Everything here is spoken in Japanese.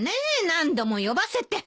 何度も呼ばせて。